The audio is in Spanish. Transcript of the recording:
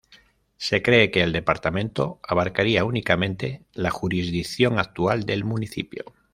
Se cree que el departamento abarcaría únicamente la jurisdicción actual del municipio.